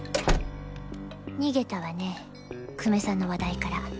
逃げたわね久米さんの話題から。